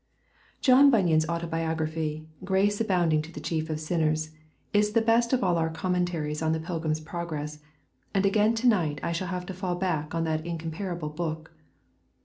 John Bunyan's autobiography, Grace Abounding to the Chief of Sinners, is the best of all our commentaries on The Pilgrim's Progress, and again to night I shall have to fall back on that incomparable book.